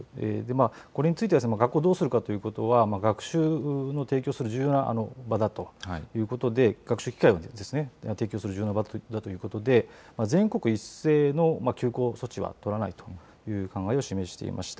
これについては、学校をどうするかということは、学習を提供する重要な場だということで、学習機会をですね、提供する重要な場ということで、全国一斉の休校措置は取らないという考えを示していました。